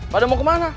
pada mau kemana